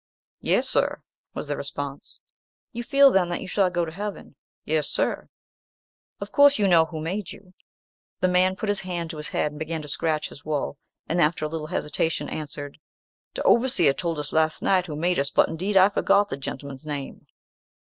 "Yes, sir," was the response. "You feel, then, that you shall go to heaven." "Yes, sir." "Of course you know who made you?" The man put his hand to his head and began to scratch his wool; and, after a little hesitation, answered, "De overseer told us last night who made us, but indeed I forgot the gentmun's name."